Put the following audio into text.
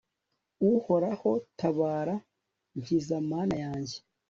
uhoraho, tabara! nkiza, mana yanjye